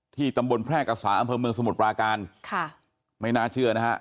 ตำบลแพร่กษาอำเภอเมืองสมุทรปราการค่ะไม่น่าเชื่อนะฮะ